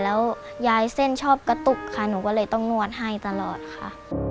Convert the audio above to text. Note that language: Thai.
แล้วยายเส้นชอบกระตุกค่ะหนูก็เลยต้องนวดให้ตลอดค่ะ